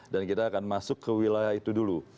dan kita akan masuk ke wilayah itu dulu